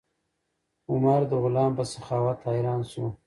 عمر د غلام په سخاوت حیران شو.